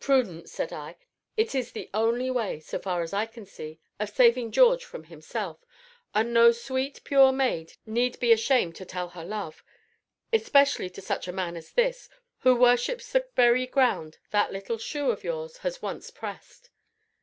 "Prudence," said I, "it is the only way, so far as I can see, of saving George from himself; and no sweet, pure maid need be ashamed to tell her love, especially to such a man as this, who worships the very ground that little shoe of yours has once pressed."